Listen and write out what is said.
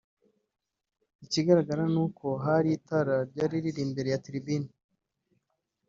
Ikigaragara nuko hari itara ryari riri imbere ya Tribune